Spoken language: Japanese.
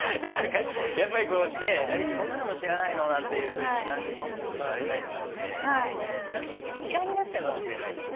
やっぱり、そんなのも知らないのなんていうふうに男子に言われたりとかして嫌いになっちゃうかもしれないですね。